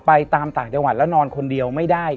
ไปตามต่างจังหวัดแล้วนอนคนเดียวไม่ได้